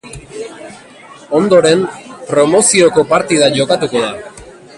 Ondoren, promozioko partida jokatuko da.